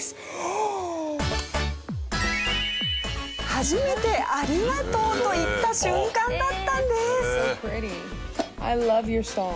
初めて「ありがとう」と言った瞬間だったんです。